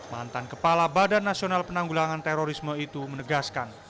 mantan kepala badan nasional penanggulangan terorisme itu menegaskan